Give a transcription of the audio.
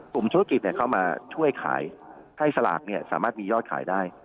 กลุ่มธุรกิจเข้ามาช่วยขายให้สลากสามารถมียอดขายได้